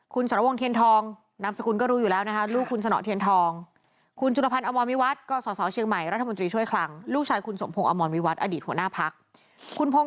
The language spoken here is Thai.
คุณสตรตาวงฐะทีียนทอง